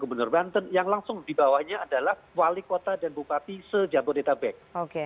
gubernur banten yang langsung dibawahnya adalah wali kota dan bupati se jabodetabek